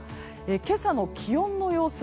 今朝の気温の様子